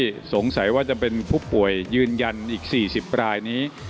สงสัยว่าจะเป็นผู้ป่วยยืนยันอีก๔๐รายนี้